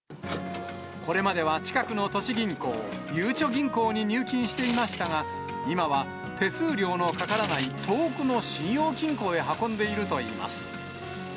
これまでは近くの都市銀行、ゆうちょ銀行に入金していましたが、今は手数料のかからない遠くの信用金庫へ運んでいるといいます。